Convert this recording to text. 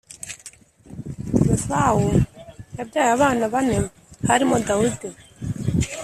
yesawu yabyayi abana bane harimo dawidi